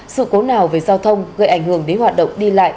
sự cố nào về giao thông gây ảnh hưởng đến hoạt động đi lại